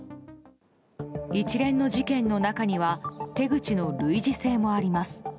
一連の事件の中には手口の類似性もあります。